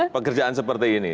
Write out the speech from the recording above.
pekerjaan seperti ini